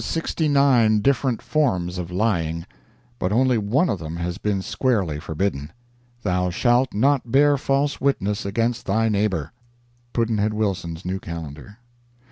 There are 869 different forms of lying, but only one of them has been squarely forbidden. Thou shalt not bear false witness against thy neighbor. Pudd'nhead Wilson's New Calendar.